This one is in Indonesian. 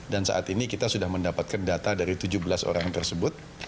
dan saat ini kita sudah mendapatkan data dari tujuh belas orang tersebut